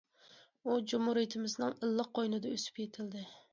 ئۇ جۇمھۇرىيىتىمىزنىڭ ئىللىق قوينىدا ئۆسۈپ يېتىلدى.